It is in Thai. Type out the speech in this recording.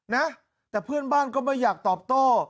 นะแต่เพื่อนบ้านก็ไม่อยากตอบโต้